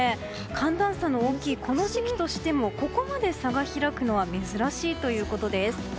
寒暖差の大きいこの時期としてもここまで差が開くのは珍しいということです。